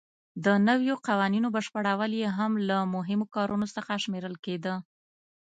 د نویو قوانینو بشپړول یې هم له مهمو کارونو څخه شمېرل کېده.